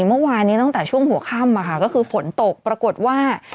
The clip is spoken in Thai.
เมื่อวานนี้ตั้งแต่ช่วงหัวค่ำก็คือฝนตกปรากฏว่า